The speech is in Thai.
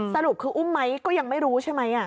สรุปคืออุ้มไหมก็ยังไม่รู้ใช่ไหม